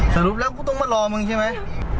สรุปแล้วกูต้องมารอมึงใช่ไหม